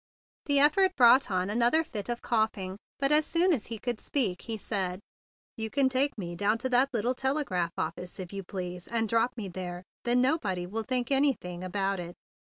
The effort brought on another fit of coughing, but as soon as he could speak he said: "You can take me down to that little telegraph office if you please, and drop THE BIG BLUE SOLDIER 127 me there. Then nobody will think any¬ thing about it."